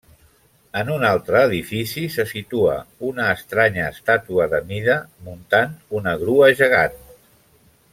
En un altre edifici, se situa una estranya estàtua d'Amida muntant una grua gegant.